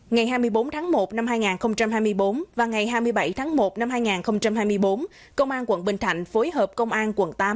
ngày hai mươi bốn tháng một năm hai nghìn hai mươi bốn và ngày hai mươi bảy tháng một năm hai nghìn hai mươi bốn công an quận bình thạnh phối hợp công an quận tám